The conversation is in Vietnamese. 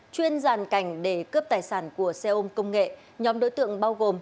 chuyên giàn cảnh để cướp tài sản của xe ôm công nghệ nhóm đối tượng bao gồm